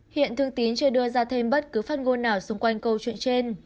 hiện thương tín chưa đưa ra thêm bất cứ phát ngôn nào xung quanh câu chuyện trên